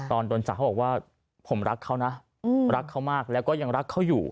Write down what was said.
ตอนโดนจับเขาบอกว่าผมรักเขานะรักเขามากแล้วก็ยังรักเขาอยู่